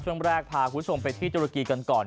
ช่วงแรกพาคุณผู้ชมไปที่ตุรกีกันก่อน